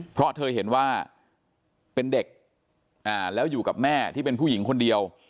เพราะเธอเห็นว่าเป็นเด็กแล้วอยู่กับแม่ที่เป็นผู้หญิงคนเดียว